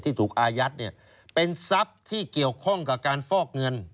ถูกอายัดเป็นทรัพย์ที่เกี่ยวข้องกับการฟอกเงิน